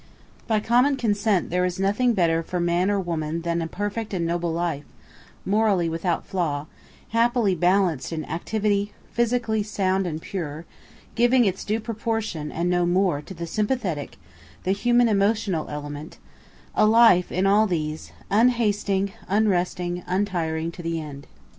By common consent there is nothing better for man or woman than a perfect and noble life, morally without flaw, happily balanced in activity, physically sound and pure, giving its due proportion, and no more, to the sympathetic, the human emotional element a life, in all these, unhasting, unresting, untiring to the end.